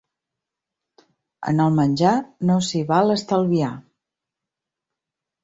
En el menjar, no s'hi val estalviar.